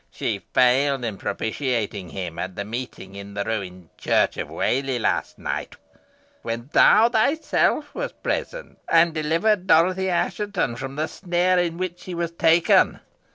"She failed in propitiating him at the meeting in the ruined church of Whalley last night, when thou thyself wert present, and deliveredst Dorothy Assheton from the snare in which she was taken.